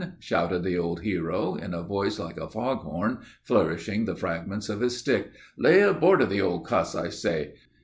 shouted the old hero, in a voice like a fog horn, flourishing the fragments of his stick. 'Lay aboard of the old cuss, I say!